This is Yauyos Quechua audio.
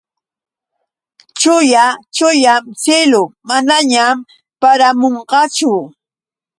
Chuya chuyam siylu. Manañam paramunqachu.